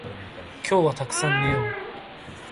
今日はたくさん寝よう